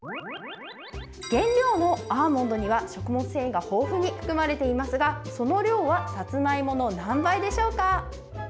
原料のアーモンドは食物繊維が豊富に含まれていますがその量はさつまいもの何倍でしょうか？